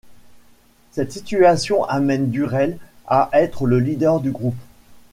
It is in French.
Cette situation amène Durell à être le leader du groupe.